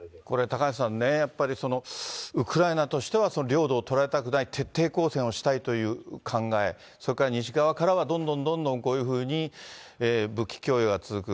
高橋さんね、ウクライナとしては領土を取られたくない、徹底抗戦をしたいという考え、それから西側からはどんどんどんどんこういうふうに武器供与が続く。